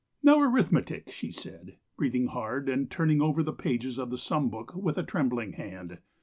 "'Now arithmetic,' she said, breathing hard and turning over the pages of the sum book with a trembling hand.